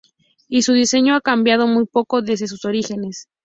Y su diseño ha cambiado muy poco desde sus orígenes.